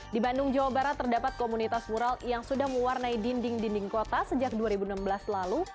di bandung jawa barat terdapat komunitas mural yang sudah mewarnai dinding dinding kota sejak dua ribu enam belas lalu